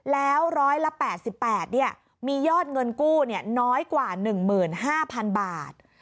แล้วร้อยละ๘๘มียอดเงินกู้น้อยกว่า๑๕๐๐๐บาท